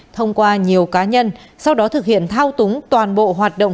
thông qua nhiều cá nhân sau đó thực hiện thao túng toàn bộ hoạt động